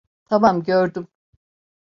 Tamam, gördüm.